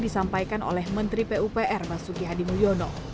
disampaikan oleh menteri pupr masuki hadimulyono